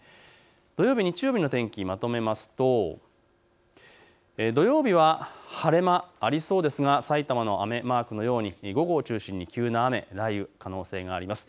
土曜日、日曜日の天気をまとめますと、土曜日は晴れ間がありそうですがさいたまの雨マークのように午後を中心に急な雨、雷雨、可能性があります。